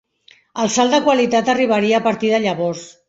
El salt de qualitat arribaria a partir de llavors.